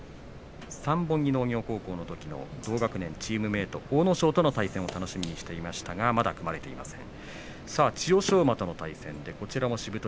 三本木農業高校のときの同学年チームメート阿武咲との対戦を楽しみにしていましたがまだ組まれていません。